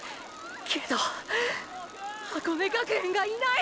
けど箱根学園がいない！！